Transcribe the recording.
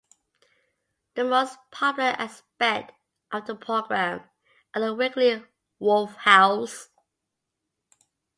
The most popular aspect of the program are the weekly wolf howls.